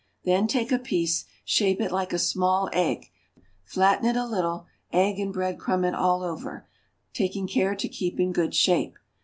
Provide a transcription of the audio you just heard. Then take a piece, shape it like a small egg, flatten it a little, egg and bread crumb it all over, taking care to keep in good shape.